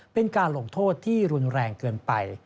เป็นการลงโทษที่รุนแรงเกินไป